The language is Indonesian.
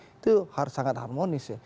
itu harus sangat harmonis ya